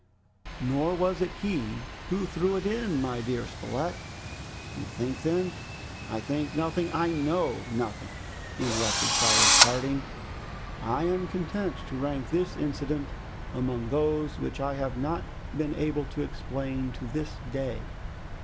"Nor was it he who threw it in, my dear Spilett." "You think then " "I think nothing, I know nothing!" interrupted Cyrus Harding. "I am content to rank this incident among those which I have not been able to explain to this day!"